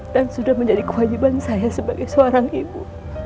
dan sudah menjadi kewajiban saya sebagai seorang ibu